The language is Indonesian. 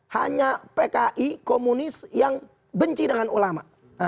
hanya pki komunis yang benci dengan ulama